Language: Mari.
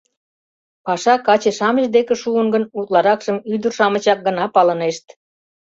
Паша каче-шамыч деке шуын гын, утларакшым ӱдыр-шамычак гына палынешт.